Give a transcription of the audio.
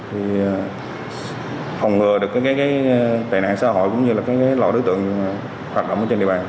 thì phòng ngừa được tài nạn xã hội cũng như là loại đối tượng hoạt động trên địa bàn